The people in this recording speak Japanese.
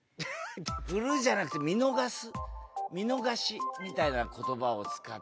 「振る」じゃなくて「見逃す」「見逃し」みたいな言葉を使って。